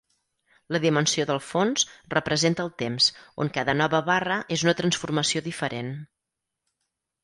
La dimensió del fons representa el temps, on cada nova barra és una transformació diferent.